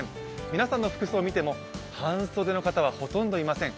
皆さんの服装を見ても半袖の方はほとんどいません。